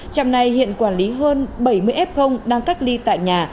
trạm này hiện quản lý hơn bảy mươi f đang cách ly tại nhà